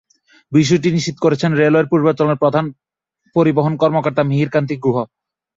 বিষয়টি নিশ্চিত করেছেন রেলওয়ের পূর্বাঞ্চলের প্রধান পরিবহন কর্মকর্তা মিহির কান্তি গুহ।